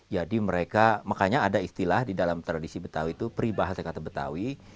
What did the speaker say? jadi mereka makanya ada istilah di dalam tradisi betawi itu peribahasa kata betawi